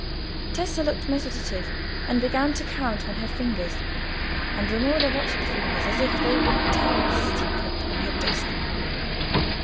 Tessa looked meditative, and began to count on her fingers, and Romola watched the fingers as if they would tell the secret of her destiny.